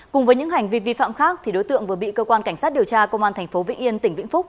cùng với những hành vi vi phạm khác thì đối tượng vừa bị cơ quan cảnh sát điều tra công an tp vĩnh yên tỉnh vĩnh phúc